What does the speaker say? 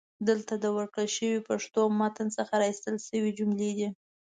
دلته د ورکړل شوي پښتو متن څخه را ایستل شوي جملې دي: